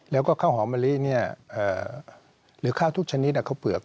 แล้วก็ข้าวหอมะลิเนี่ยหรือข้าวทุกชนิดอ่ะเข้าเปลือก